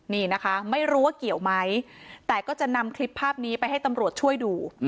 นี่นะคะไม่รู้ว่าเกี่ยวไหมแต่ก็จะนำคลิปภาพนี้ไปให้ตำรวจช่วยดู